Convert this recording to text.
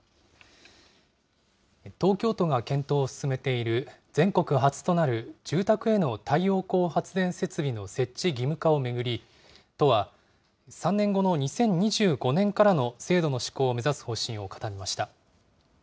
東京都が検討を進めている、全国初となる住宅への太陽光発電設備の設置義務化を巡り、都は、３年後の２０２５年からの制度の施行を目指す方針を固めました。